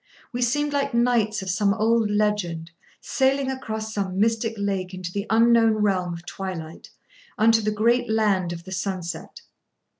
We seemed like knights of some old legend, sailing across some mystic lake into the unknown realm of twilight, unto the great land of the sunset.